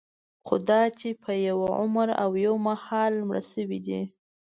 خوداچې په یوه عمر او یوه مهال مړه شوي دي.